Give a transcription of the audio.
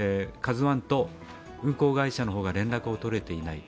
「ＫＡＺＵⅠ」と運航会社の方が連絡を取れていない。